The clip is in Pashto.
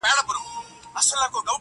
دلته زما په قتلېدو کې د چا څه فاؽده وه